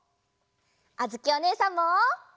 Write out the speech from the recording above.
あづきおねえさんも。